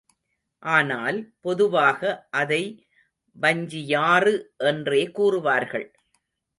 ஆனால், பொதுவாக அதை வஞ்சியாறு என்றே கூறுவார்கள்.